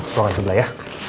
ruangan sebelah ya